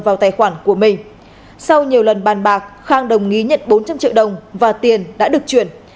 vào tài khoản của mình sau nhiều lần bàn bạc khang đồng ý nhận bốn trăm linh triệu đồng và tiền đã được chuyển